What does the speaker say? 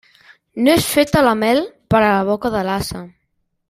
No és feta la mel per a la boca de l'ase.